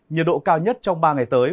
nhiệt độ cao nhất trong ba ngày tới